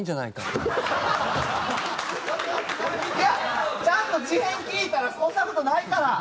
いやちゃんと事変聴いたらそんな事ないから！